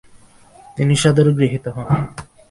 তিনি সাদরে গৃহীত হন।